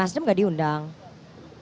tapi gerindra gak diundang nasdem gak diundang